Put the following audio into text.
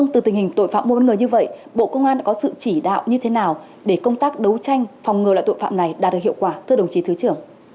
từ tình hình tội phạm mua bán người như vậy bộ công an đã có sự chỉ đạo như thế nào để công tác đấu tranh phòng ngừa loại tội phạm này đạt được hiệu quả thưa đồng chí thứ trưởng